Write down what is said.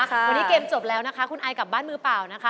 วันนี้เกมจบแล้วนะคะคุณไอกลับบ้านมือเปล่านะคะ